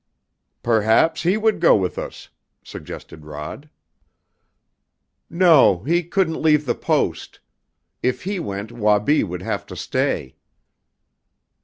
"Perhaps he would go with us," suggested Rod. "No, he couldn't leave the Post. If he went Wabi would have to stay."